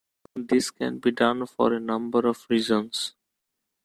This can be done for a number of reasons.